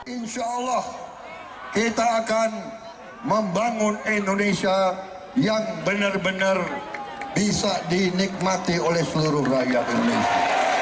insya allah kita akan membangun indonesia yang benar benar bisa dinikmati oleh seluruh rakyat indonesia